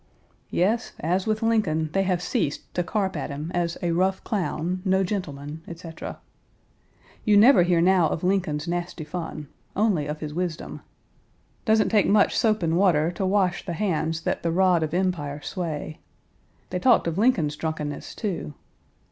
Yes, as with Lincoln, they have ceased to carp at him as a rough clown, no gentleman, etc. You never hear now of Lincoln's nasty fun; only of his wisdom. Doesn't take much soap and water to wash the hands that the rod of empire sway. They talked of Lincoln's drunkenness, too.